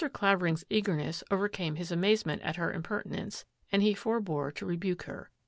Clavering's eagerness overcame his amaze ment at her impertinence and he forbore to re buke her.